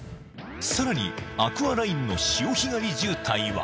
さらにアクアラインの潮干狩り渋滞は？